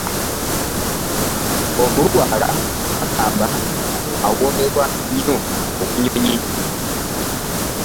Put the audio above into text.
Omulugwala bagamba awoomerwa nnyo obunyonyi.